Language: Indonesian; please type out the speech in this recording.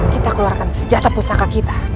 kita keluarkan senjata pusaka kita